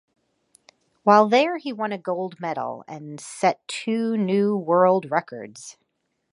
While there he won a Gold Medal and set two new world records.